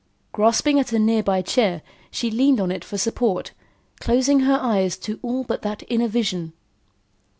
Grasping at a near by chair, she leaned on it for support, closing her eyes to all but that inner vision.